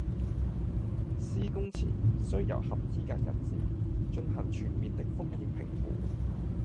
施工前須由合資格人士進行全面的風險評估